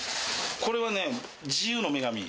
これはね、自由の女神。